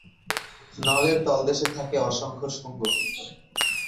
নলের তলদেশে থাকে অসংখ্য শুঙ্গ।